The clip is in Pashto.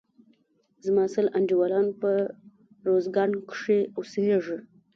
زما سل انډيوالان په روزګان کښي اوسيږي.